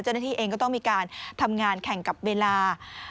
เจ้าหน้าที่เองก็ต้องมีการทำงานแข่งกับเวลา